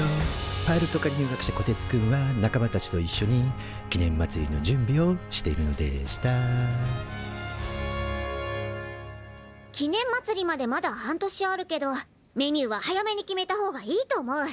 パイロット科に入学したこてつくんは仲間たちといっしょに記念まつりの準備をしているのでした記念まつりまでまだ半年あるけどメニューは早めに決めたほうがいいと思う。